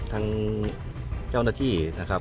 ตอนนี้เจออะไรบ้างครับ